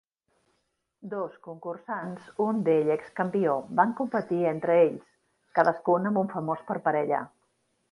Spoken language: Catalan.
Dos concursants, un d'ells excampió, van competir entre ells, cadascun amb un famós per parella.